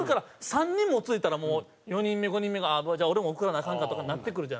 ３人もついたらもう４人目５人目が俺も送らなアカンかとかなってくるじゃないですか。